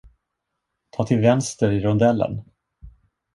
Ta till vänster i rondellen!